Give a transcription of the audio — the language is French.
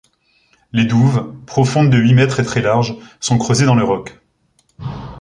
Les douves, profondes de huit mètres et très larges, sont creusées dans le roc.